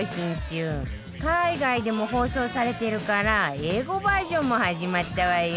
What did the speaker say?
海外でも放送されてるから英語バージョンも始まったわよ